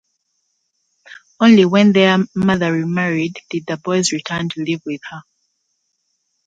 Only when their mother remarried did the boys return to live with her.